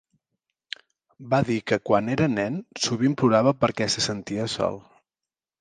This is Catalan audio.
Va dir que quan era nen sovint plorava perquè se sentia sol.